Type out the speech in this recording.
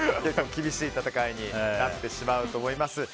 厳しい戦いになってしまうと思います。